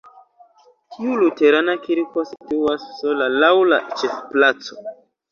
Tiu luterana kirko situas sola laŭ la ĉefplaco.